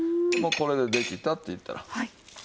もうこれでできたって言ったら。